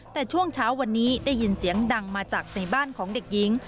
แต่ช่วงเช้าวันนี้ได้ยินเสียงดังมาจากในบ้านของเด็กหญิง